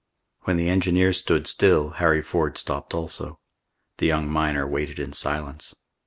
When the engineer stood still, Harry Ford stopped also. The young miner waited in silence.